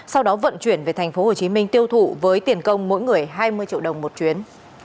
sau đó vận chuyển về thành phố hồ chí minh tiêu thụ với tiền công mỗi người hai mươi triệu đồng một chuyến